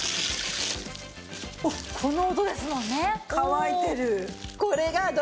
おっこの音ですもんね！